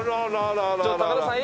高田さん